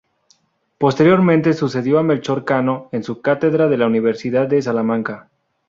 Posteriormente sucedió a Melchor Cano en su cátedra de la Universidad de Salamanca.